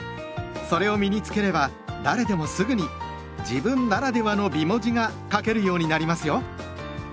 それを身に付ければ誰でもすぐに「自分ならではの美文字」が書けるようになりますよ。